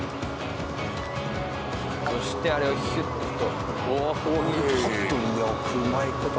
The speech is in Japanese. そしてあれをヒュッと。